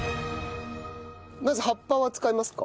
まず葉っぱは使いますか？